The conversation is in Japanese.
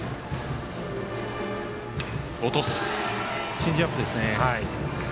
チェンジアップですね。